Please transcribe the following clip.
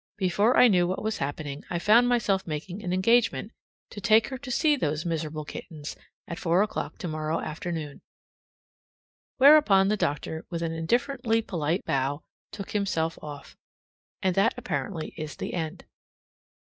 Before I knew what was happening I found myself making an engagement to take her to see those miserable kittens at four o'clock tomorrow afternoon. Whereupon the doctor, with an indifferently polite bow, took himself off. And that apparently is the end.